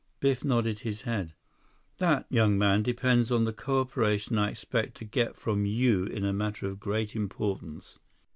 Biff nodded his head. "That, young man, depends on the cooperation I expect to get from you in a matter of great importance."